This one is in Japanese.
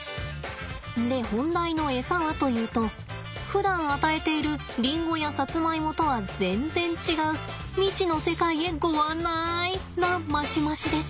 で本題のエサはというとふだん与えているリンゴやサツマイモとは全然違う「未知の世界へごあんない！」なマシマシです。